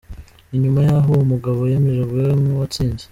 Ni nyuma y’aho uwo mugabo yemejwe nk’uwatsinze.